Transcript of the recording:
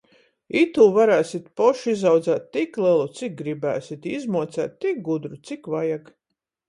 Itū variesit poši izaudzēt tik lelu, cik gribiesit, i izmuoceit tik gudru, cik vajag.